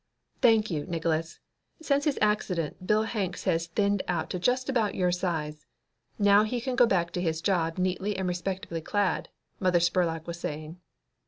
"Thank you, Nickols. Since his accident, Bill Hanks has thinned out to just about your size. Now he can go back to his job neatly and respectably clad," Mother Spurlock was saying.